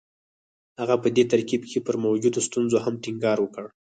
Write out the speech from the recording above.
هغه په دې ترکيب کې پر موجودو ستونزو هم ټينګار وکړ.